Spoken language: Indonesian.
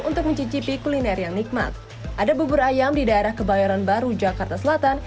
untuk mencicipi kuliner yang nikmat ada bubur ayam di daerah kebayoran baru jakarta selatan